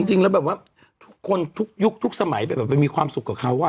จริงแล้วแบบว่าทุกคนทุกยุคทุกสมัยแบบมันมีความสุขกับเขา